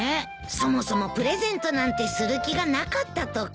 そもそもプレゼントなんてする気がなかったとか。